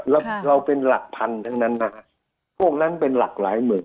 เราเราเป็นหลักพันทั้งนั้นนะฮะพวกนั้นเป็นหลากหลายหมื่น